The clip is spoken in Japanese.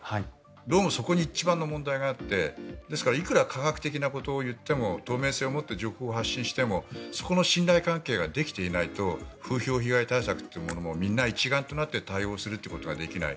どうもそこに一番の問題があってですから、いくら科学的なことを言っても透明性を持って情報を発信していてもそこの信頼関係ができていないと風評被害対策というのものをみんな一丸となって対応するということができない。